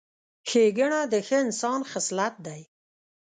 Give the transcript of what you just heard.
ښېګڼه د ښه انسان خصلت دی.